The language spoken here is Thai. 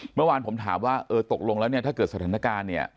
เมื่อวานผมถามว่าตกลงแล้วถ้าเกิดสถานการณ์